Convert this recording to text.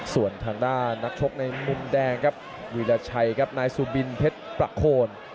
ส่วนทางด้านนักชกในมุมแดงครับวีรชัยครับนายสุบินเพชรประโคน